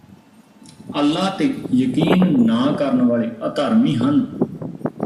ਅੱਲ੍ਹਾ ਤੇ ਯਕੀਨ ਨਾ ਕਰਨ ਵਾਲੇ ਅਧਰਮੀ ਹਨ